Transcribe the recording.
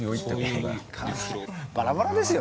バラバラですよ